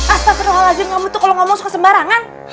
astagfirullahaladzim kamu tuh kalau ngomong suka sembarangan